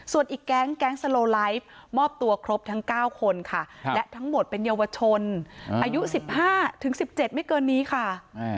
ส่วนอีกแก๊งแก๊งสโลไลฟ์มอบตัวครบทั้ง๙คนค่ะและทั้งหมดเป็นเยาวชนอายุ๑๕ถึง๑๗ไม่เกินนี้ค่ะ